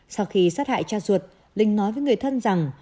sau khi sát hại cha ruột linh nói với người thân rằng